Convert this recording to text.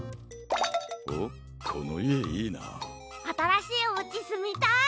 あたらしいおうちすみたい！